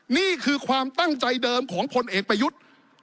นี่คือความตั้งใจเดิมของพลเอกประยุทธ์